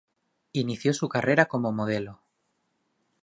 Inició su carrera como modelo.